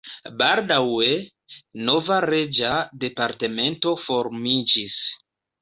Baldaŭe nova reĝa departemento formiĝis.